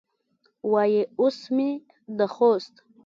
وایي اوس مې د خوست